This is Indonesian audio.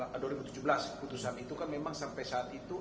keputusan itu kan memang sampai saat itu